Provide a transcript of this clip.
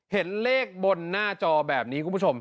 เห็นเลขบนหน้าจอแบบนี้คุณผู้ชม